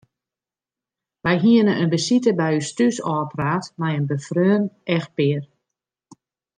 Wy hiene in besite by ús thús ôfpraat mei in befreone echtpear.